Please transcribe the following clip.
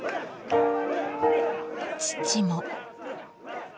父も。